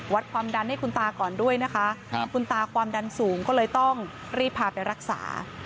วัดความดันให้คุณตาก่อนด้วยนะคะคุณตาความดันสูงก็เลยต้องรีบพาไปรักษา